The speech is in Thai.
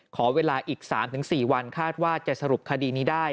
ขอเวลาอีก๓๔วันคาดว่าจะสรุปคดีนี้ได้